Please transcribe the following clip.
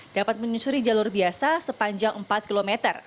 dapat menyusuri jalur biasa sepanjang empat km